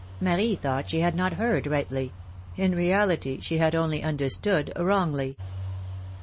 Marie thought she had not heard rightly — in reality she had only understood wrongly.